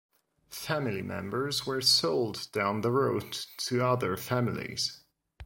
Family members were sold down the road to other families.